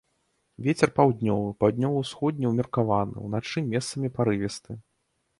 Вецер паўднёвы, паўднёва-ўсходні ўмеркаваны, уначы месцамі парывісты.